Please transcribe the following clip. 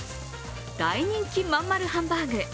大人気まん丸ハンバーグ